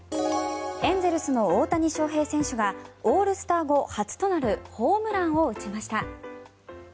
エンゼルスの大谷翔平選手がオールスター後初となるホームランを打ちました。